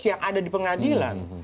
yang ada di pengadilan